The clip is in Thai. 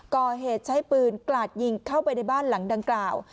ก่อเหตุใช้ปืนกราดยิงเข้าไปในบ้านหลังดังกล่าว